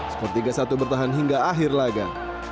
skor tiga satu bertahan hingga akhir laga